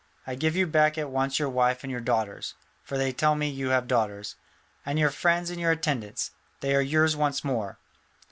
I give you back at once your wife and your daughters (for they tell me you have daughters), and your friends and your attendants; they are yours once more.